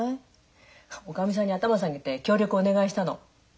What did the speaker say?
おかみさんに頭下げて協力お願いしたの。